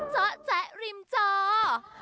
เจ้าแจ๊กริมเจ้า